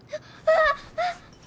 ああ。